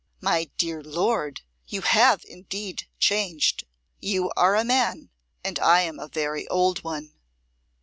My dear lord! You have indeed changed! You are a man, and I am a very old one.